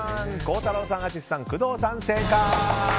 孝太郎さん、淳さん工藤さん、正解！